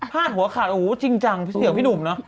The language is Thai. หัวขาดโอ้โหจริงจังพี่เสี่ยวพี่หนุ่มเนอะ